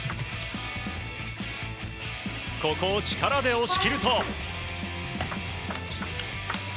ここを力で押し切ると。